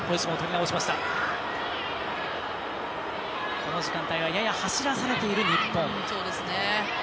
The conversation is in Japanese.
この時間帯はやや走らされている日本。